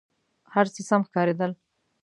هر څه سم ښکارېدل.